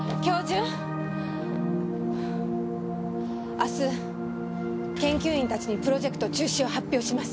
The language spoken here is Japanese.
明日研究員たちにプロジェクト中止を発表します。